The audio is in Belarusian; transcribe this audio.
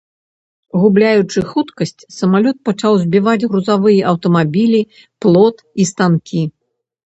Губляючы хуткасць, самалёт пачаў збіваць грузавыя аўтамабілі, плот і станкі.